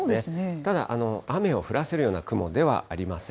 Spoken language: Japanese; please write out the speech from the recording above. ただ、雨を降らせるような雲ではありません。